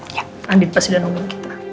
ya ambil pas dia nunggu kita